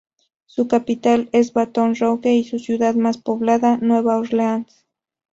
Su capital es Baton Rouge y su ciudad más poblada, Nueva Orleans.